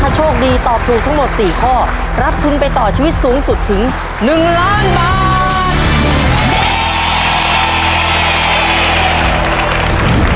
โชคดีตอบถูกทั้งหมด๔ข้อรับทุนไปต่อชีวิตสูงสุดถึง๑ล้านบาท